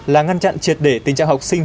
là ngăn chặn triệt để tình trạng học sinh